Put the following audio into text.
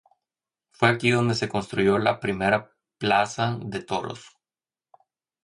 Fue aquí donde se construyó la primera plaza de toros.